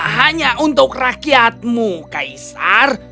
hanya untuk rakyatmu kaisar